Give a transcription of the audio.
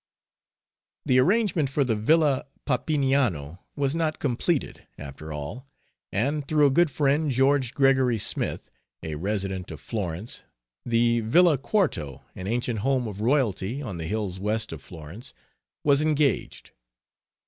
The arrangement for the Villa Papiniano was not completed, after all, and through a good friend, George Gregory Smith, a resident of Florence, the Villa Quarto, an ancient home of royalty, on the hills west of Florence, was engaged.